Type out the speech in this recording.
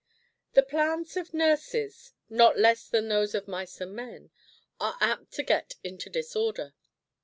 The plans of nurses, not less than those of mice and men, are apt to get into disorder.